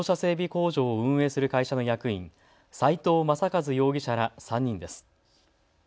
工場を運営する会社の役員、齊藤正和容疑者ら３人です。